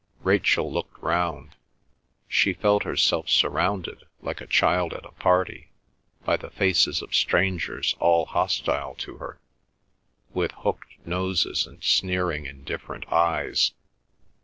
Rachel looked round. She felt herself surrounded, like a child at a party, by the faces of strangers all hostile to her, with hooked noses and sneering, indifferent eyes.